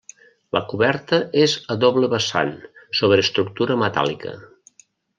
La coberta és a doble vessant sobre estructura metàl·lica.